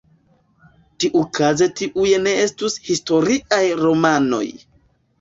Tiukaze tiuj ne estus historiaj romanoj.